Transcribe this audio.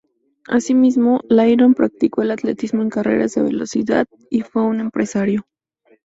Asimismo, Lydon practicó el atletismo en carreras de velocidad y fue un empresario.